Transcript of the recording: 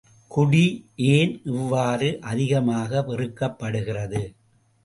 குடி, ஏன் இவ்வாறு அதிகமாக வெறுக்கப்படுகிறது?